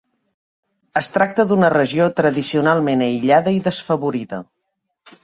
Es tracta d'una regió tradicionalment aïllada i desfavorida.